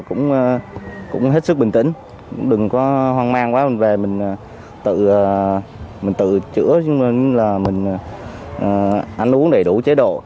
các anh em trong tổ cũng hết sức bình tĩnh đừng có hoang mang quá mình về mình tự chữa mình ăn uống đầy đủ chế độ